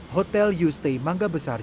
hotel u stay mangga besar jakarta